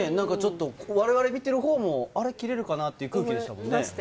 我々、見てる方も切れるかなという空気でしたもんね。